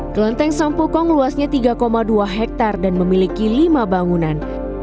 kelenteng sampukong luasnya tiga dua hektare dan memiliki lima bangunan